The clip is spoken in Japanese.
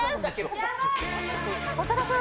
長田さん。